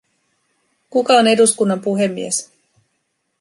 Kuka on eduskunnan puhemies?